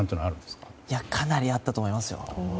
かなりあったと思いますよ。